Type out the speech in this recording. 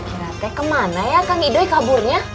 kira kira teh kemana ya kang idoy kaburnya